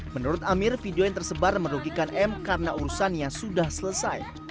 menurut amir video yang tersebar merugikan m karena urusannya sudah selesai